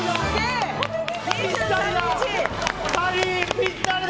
ぴったりだ！